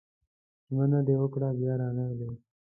ژمنه دې وکړه بيا رانغلې